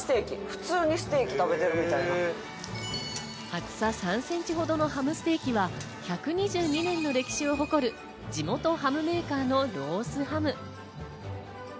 厚さ３センチほどのハムステーキは１２２年の歴史を誇る地元ハムメーカーのロースハム。